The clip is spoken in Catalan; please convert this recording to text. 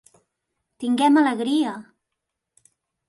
Tinguem alegria!